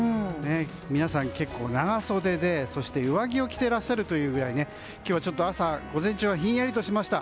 皆さん、結構長袖でそして上着を着ていらっしゃるというぐらい今日はちょっと朝午前中はひんやりとしました。